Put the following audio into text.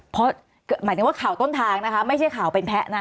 เพราะหมายถึงว่าข่าวต้นทางนะคะไม่ใช่ข่าวเป็นแพ้นะ